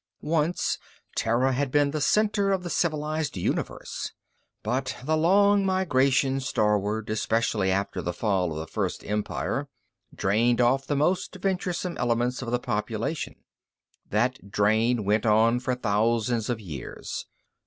Once Terra had been the center of the civilized universe. But the long migration starward, especially after the fall of the First Empire, drained off the most venturesome elements of the population. That drain went on for thousands of years.